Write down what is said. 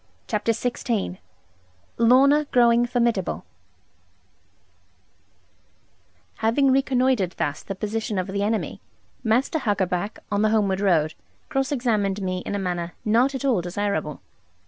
CHAPTER XVI LORNA GROWING FORMIDABLE Having reconnoitred thus the position of the enemy, Master Huckaback, on the homeward road, cross examined me in a manner not at all desirable.